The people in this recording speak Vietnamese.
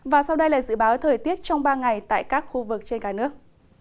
và sau đây là dự báo thời tiết trong ba ngày tại các khu vực trên cả nước